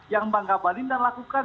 yang bang gabalin dan lakukan